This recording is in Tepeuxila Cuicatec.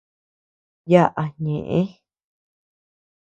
Yaʼa ñeʼe.